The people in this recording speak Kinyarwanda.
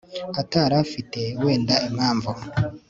atari afite wenda impamvu